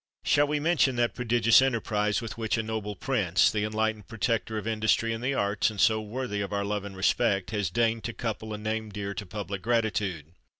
Shall we mention that prodigious enterprise with which a noble prince the enlightened protector of industry and the arts, and so worthy of our love and respect has deigned to couple a name dear to public gratitude?